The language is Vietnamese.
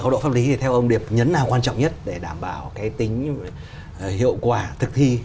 thì theo ông điệp nhấn nào quan trọng nhất để đảm bảo cái tính hiệu quả thực thi